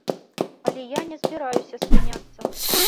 Але я не збіраюся спыняцца.